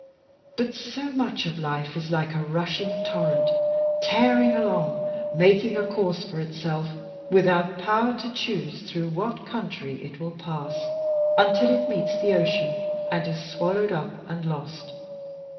But so much of life is like a rushing torrent tearing along making a course for itself, without power to choose through what country it will pass, until it meets the ocean and is swallowed up and lost.